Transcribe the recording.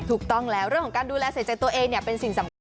ถูกต้องแล้วเรื่องของการดูแลใส่ใจตัวเองเนี่ยเป็นสิ่งสำคัญ